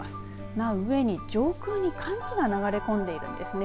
な上に上空に寒気が流れ込んでいるんですね。